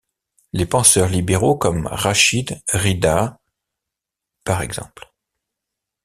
Les penseurs libéraux, comme Rachid Rida, e.g.